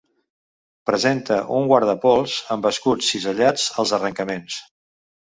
Presenta un guardapols amb escuts cisellats als arrencaments.